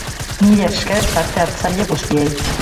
Mila esker parte-hartzaile guztiei!